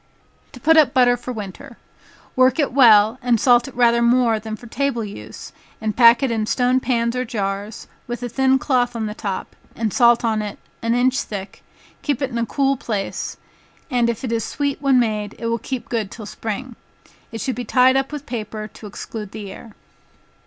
To put up Butter for Winter. Work it well, and salt it rather more than for table use, and pack it in stone pans or jars, with a thin cloth on the top, and salt on it an inch thick, keep it in a cool place, and if it is sweet when made, it will keep good till spring. It should be tied up with paper to exclude the air.